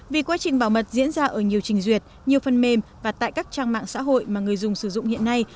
vì quá trình bảo mật diễn ra ở nhiều trình duyệt nhiều phần mềm và tại các trang mạng xã hội mà người dùng sử dụng hiện nay